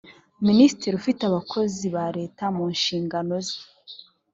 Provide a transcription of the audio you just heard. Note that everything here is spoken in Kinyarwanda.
minisitiri ufite abakozi ba leta mu nshingano ze